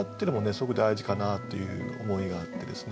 すごく大事かなという思いがあってですね。